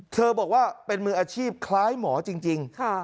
บอกว่าเป็นมืออาชีพคล้ายหมอจริง